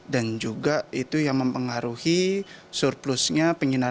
dan juga itu yang mempengaruhi surplusnya